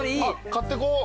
買ってこう。